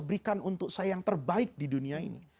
berikan untuk saya yang terbaik di dunia ini